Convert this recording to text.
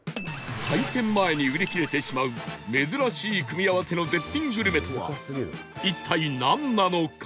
開店前に売り切れてしまう珍しい組み合わせの絶品グルメとは一体なんなのか？